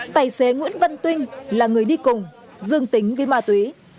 tài xế nguyễn văn tuyên là người đi cùng dương tính với ma túy